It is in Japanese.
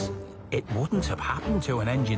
えっ？